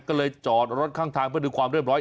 ก็เลยจอดรถข้างทางเพื่อดูความเรียบร้อย